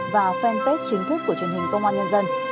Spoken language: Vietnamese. vào fanpage chính thức của truyền hình công an nhân dân